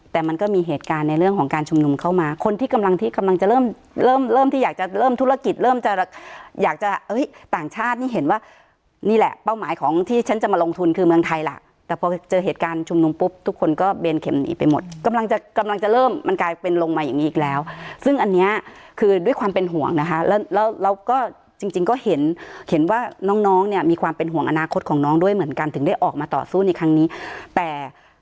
แต่มันก็มีเหตุการณ์ในเรื่องของการชุมนุมเข้ามาคนที่กำลังที่กำลังจะเริ่มเริ่มเริ่มที่อยากจะเริ่มธุรกิจเริ่มจะอยากจะเอ้ยต่างชาตินี่เห็นว่านี่แหละเป้าหมายของที่ฉันจะมาลงทุนคือเมืองไทยล่ะแต่พอเจอเหตุการณ์ชุมนุมปุ๊บทุกคนก็เบนเข็มหนีไปหมดกำลังจะกำลังจะเริ่มมันกลายเป็นลงมาอย่างนี้อีกแล้